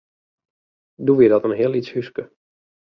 Doe wie dat in heel lyts húske.